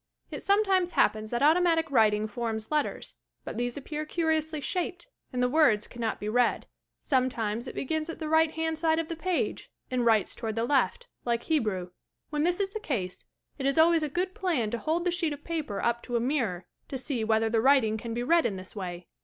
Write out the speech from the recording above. It sometimes happens that automatic writing forms letters, but these appear curiously shaped and the words cannot be readj sometimes it begins at the right hand side of the page and writes toward the left, like Hebrew, When this is the case it is always a good plan to hold the sheet of paper up to a mirror to see whether the writing can be read in this way.